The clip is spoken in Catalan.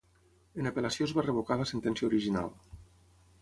En apel·lació es va revocar la sentència original.